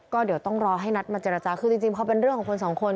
ก็เดี๋ยวต้องรอให้นัดมาเจรจาคือจริงพอเป็นเรื่องของคนสองคน